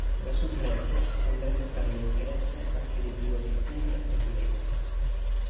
La soubrette sembra destare l'interesse anche dei piloti Tim e Blake.